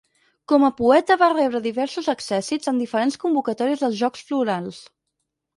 Com a poeta va rebre diversos accèssits en diferents convocatòries dels Jocs Florals.